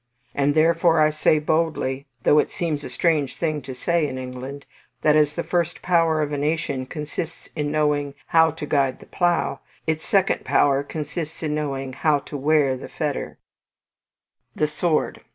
And, therefore, I say boldly, though it seems a strange thing to say in England, that as the first power of a nation consists in knowing how to guide the Plough, its second power consists in knowing how to wear the Fetter: 3. THE SWORD.